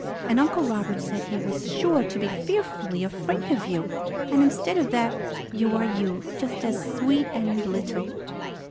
And Uncle Robert said he was sure to be fearfully afraid of you. And instead of that, you are you, just as sweet and little!